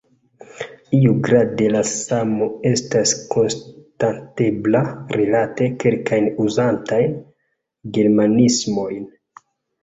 Iugrade la samo estas konstatebla rilate kelkajn uzatajn germanismojn.